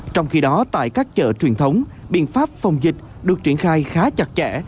trong khi đó tại các chợ truyền thống biện pháp phòng dịch được triển khai khá chặt chẽ